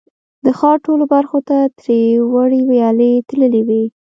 د ښار ټولو برخو ته ترې وړې ویالې تللې وې.